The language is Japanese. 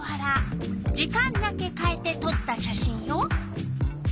時間だけかえてとった写真よ。